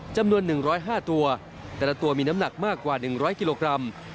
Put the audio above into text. จำนวน๑๐๕ตัวแต่ละตัวมีน้ำหนักมากกว่า๑๐๐กิโลกรัม